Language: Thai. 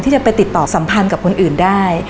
จะไปติดต่อสัมพันธ์กับคนอื่นได้